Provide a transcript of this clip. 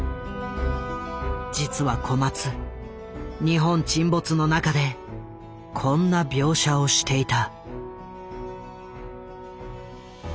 実は小松「日本沈没」の中でこんな描写をしていた。